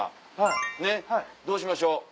ねっどうしましょう。